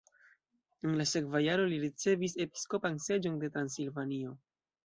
En la sekva jaro li ricevis episkopan seĝon de Transilvanio.